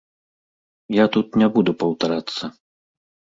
Я тут не буду паўтарацца.